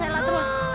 tekan tarik nafas ya